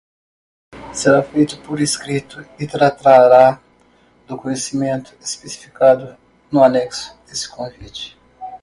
Será feito por escrito e tratará do conhecimento especificado no anexo deste convite.